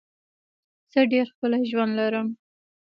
زه ډېر ښکلی ژوند لرم.